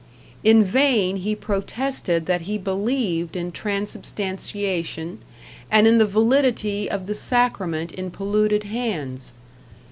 In vain he protested that he believed in transubstantiation and in the validity of the sacrament in polluted hands.